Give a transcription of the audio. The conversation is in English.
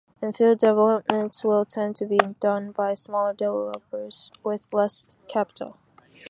In-fill developments will tend to be done by smaller developers with less capital.